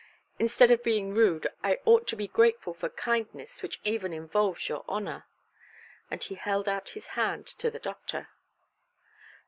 Instead of being rude, I ought to be grateful for kindness which even involves your honour". And he held out his hand to the doctor.